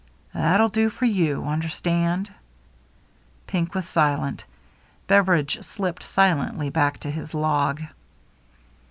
" That'll do for you. Understand ?" Pink was silent. Beveridge slipped silently back to his log.